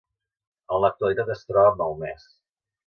En l'actualitat es troba malmès.